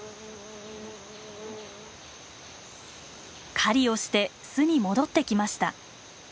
狩りをして巣に戻ってきました。